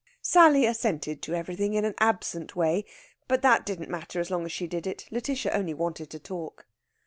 Sally assented to everything in an absent way; but that didn't matter as long as she did it. Lætitia only wanted to talk.